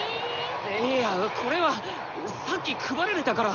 いやこれはさっき配られたから。